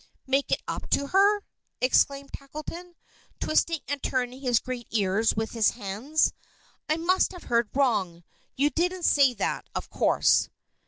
"Make it up to her!" exclaimed Tackleton, twisting and turning his great ears with his hands. "I must have heard wrong. You didn't say that, of course."